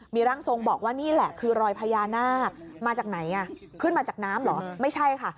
มีร่างทรงบอกว่านี่แหละคือรอยพญานาคมาจากไหนอ่ะขึ้นมาจากน้ำเหรอไม่ใช่ค่ะ